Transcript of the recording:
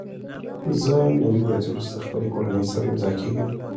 زه نوي ورځې وروسته خپلې کورنۍ سره یوځای کېږم.